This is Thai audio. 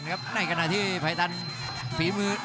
รับทราบบรรดาศักดิ์